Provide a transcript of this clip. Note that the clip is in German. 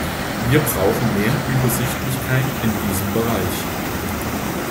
Wir brauchen mehr Übersichtlichkeit in diesem Bereich.